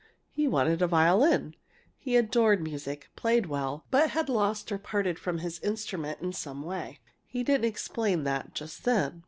"He wanted a violin! He adored music, played well, but had lost or parted from his instrument in some way. (He didn't explain that, just then.)